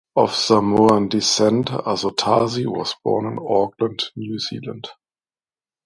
Of Samoan descent, Asotasi was born in Auckland, New Zealand.